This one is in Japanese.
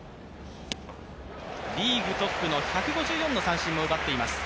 リーグトップの１５４の三振を奪っています。